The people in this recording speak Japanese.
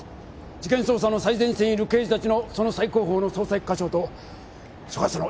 事件捜査の最前線にいる刑事たちのその最高峰の捜査一課長と所轄のヒラ刑事ですから。